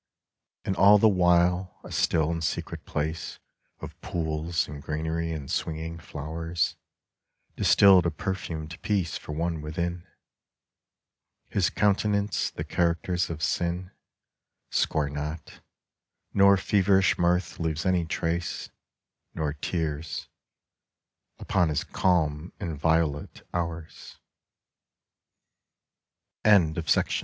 And all the while a still and secret place Of pools and greenery and swinging flowers Distilled a perfumed peace for one within. His countenance the characters of sin Score not, nor feverish mirth leaves any trace, Nor tears, u